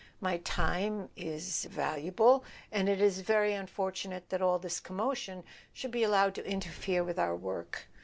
My time is—er—valuable, and it is very unfortunate that all this commotion should be allowed to interfere with our work.